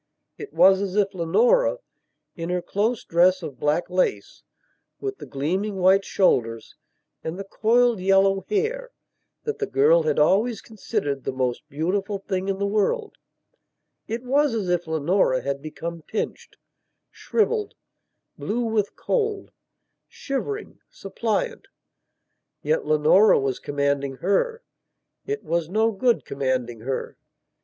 It was as if Leonora, in her close dress of black lace, with the gleaming white shoulders and the coiled yellow hair that the girl had always considered the most beautiful thing in the worldit was as if Leonora had become pinched, shrivelled, blue with cold, shivering, suppliant. Yet Leonora was commanding her. It was no good commanding her.